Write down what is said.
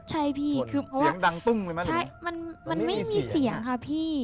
ใช่พี่คือเพราะว่าเสียงดังตุ้งไหมใช่มันมันไม่มีเสียงค่ะพี่